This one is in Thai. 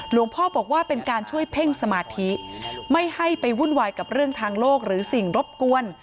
หลวงพ่อบอกว่าเป็นการช่วยเพ่งสมาธิไม่ให้ไปวุ่นวายกับเรื่องทางโลกหรือสิ่งรบกวน